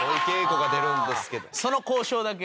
その交渉だけ？